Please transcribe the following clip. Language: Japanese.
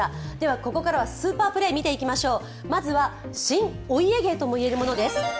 ここからはスーパープレー見ていきましょう。